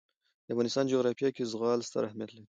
د افغانستان جغرافیه کې زغال ستر اهمیت لري.